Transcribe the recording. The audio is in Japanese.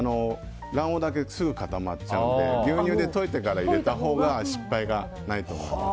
卵黄だけすぐ固まっちゃうので牛乳で溶いてから入れたほうが失敗はないと思います。